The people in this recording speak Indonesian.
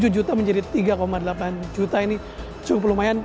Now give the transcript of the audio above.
tujuh juta menjadi tiga delapan juta ini cukup lumayan